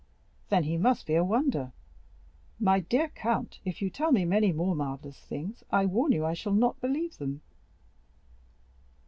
"Then he must be a wonder. My dear count, if you tell me many more marvellous things, I warn you I shall not believe them."